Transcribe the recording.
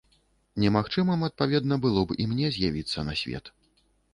Немагчымым, адпаведна, было б і мне з'явіцца на свет.